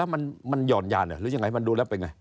มันหย่อนยานหรือยังไงมันดูแล้วเป็นไง